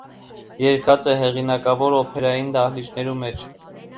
Երգած է հեղինակաւոր օփերայի դահլիճներու մէջ։